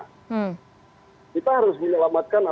kita harus menyelamatkan apa yang kita lakukan